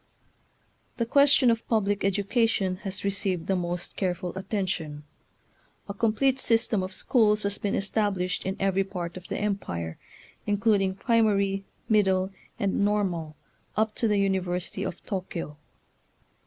The question of public education has received the, most careful attention. A complete system of schools has been es tablished in every part of the Empire, including primary, middle, and normal, up to the University of Tokyo.